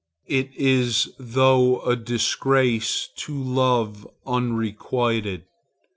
It is thought a disgrace to love unrequited.